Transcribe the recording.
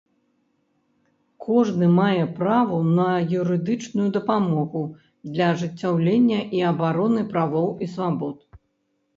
Кожны мае права на юрыдычную дапамогу для ажыццяўлення і абароны правоў і свабод.